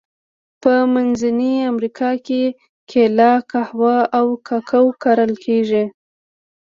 په منځنۍ امریکا کې کېله، قهوه او کاکاو کرل کیږي.